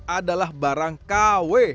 adalah barang kw